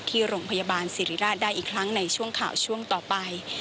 ที่โรงพยาบาลสิริราชได้อีกครั้งในช่วงข่าวช่วงต่อไป